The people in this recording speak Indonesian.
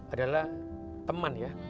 adalah teman ya